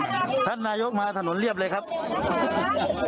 ใช่ให้ปุ่นให้มาทำงานกูเรียนนะคะนายกค่ะ